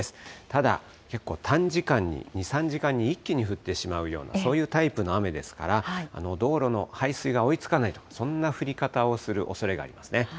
ただ、結構短時間に、２、３時間に一気に降ってしまうような、そういうタイプの雨ですから、道路の排水が追いつかない、そんな降り方をするおそれがあります